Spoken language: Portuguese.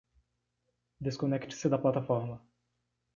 Desconecte-se da plataforma